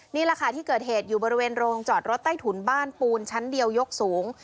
นี่แหละค่ะที่เกิดเหตุอยู่บริเวณโรงจอดรถใต้ถุนบ้านปูนชั้นเดียวยกสูง